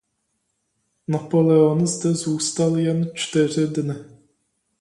Napoleon zde zůstal jen čtyři dny.